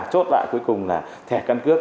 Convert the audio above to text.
chốt lại cuối cùng là thẻ căn cước